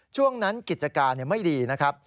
ช่วงนั้นกิจการไม่ดีนะครับ